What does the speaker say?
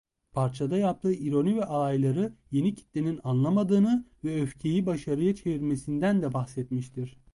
Parçada yaptığı ironi ve alayları yeni kitlenin anlamadığını ve öfkeyi başarıya çevirmesinden de bahsetmiştir.